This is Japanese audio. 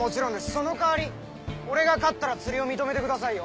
その代わり俺が勝ったら釣りを認めてくださいよ？